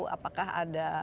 sepuluh apakah ada